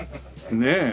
ねえ。